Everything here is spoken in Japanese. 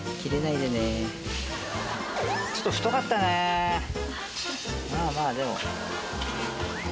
ちょっと太かったねまあまあでも。